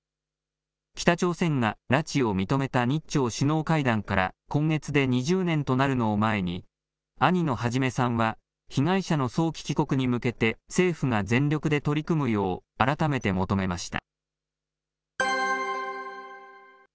北朝鮮が拉致を認めた日朝首脳会談から今月で２０年となるのを前に、兄の孟さんは被害者の早期帰国に向けて、政府が全力で取り組むよう、改めて求めました。